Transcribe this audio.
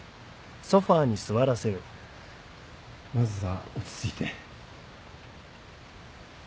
まずは落ち着いて。